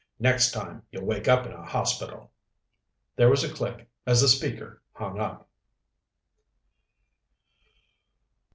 Next time, you'll wake up in a hospital!" There was a click as the speaker hung up.